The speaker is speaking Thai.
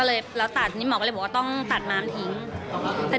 งั้นหมอกละก็เลยบอกต้องตัดแน็ตมีมามทิ้ง